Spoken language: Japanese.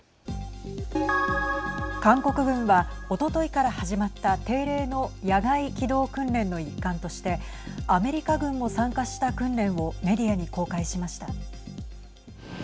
韓国軍はおとといから始まった定例の野外機動訓練の一環としてアメリカ軍も参加した訓練をメディアに公開しました。